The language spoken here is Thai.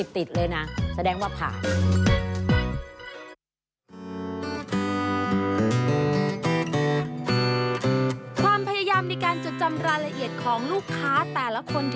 ติดเลยนะแสดงว่าผ่าน